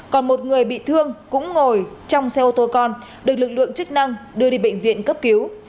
còn một người bị thương cũng ngồi trong xe ô tô con được lực lượng chức năng đưa đi bệnh viện cấp cứu